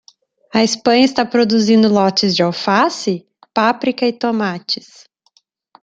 A Espanha está produzindo lotes de alface? páprica e tomates.